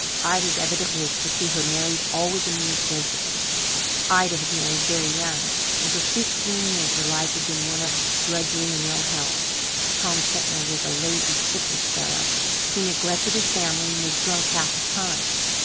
Ida's evident wish to see her married always amused Josephine. Ida had married very young and for fifteen years her life had been one of drudgery and ill health. Tom Sentner was a lazy, shiftless fellow. He neglected his family and was drunk half his time.